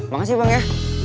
makasih bang ya